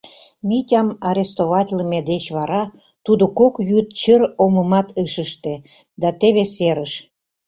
Митям арестоватлыме деч вара тудо кок йӱд чыр омымат ыш ыште, — да теве серыш.